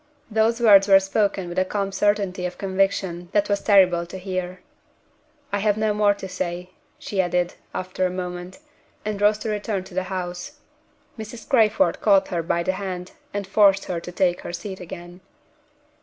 Those words were spoken with a calm certainty of conviction that was terrible to hear. "I have no more to say," she added, after a moment, and rose to return to the house. Mrs. Crayford caught her by the hand, and forced her to take her seat again.